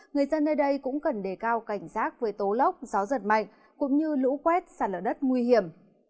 người dân nơi đây cũng cần đề cao cảnh giác với tố lốc gió giật mạnh cũng như lũ quét sạt lở đất nguy hiểm